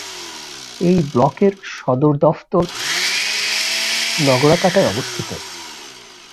এই ব্লকের সদর দফতর নগরাকাটায় অবস্থিত।